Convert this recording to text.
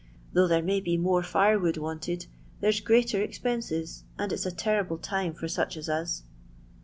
Though thers may be more fire wood wanted, there 's greater ex penses, and it 's a terrible time for such as us."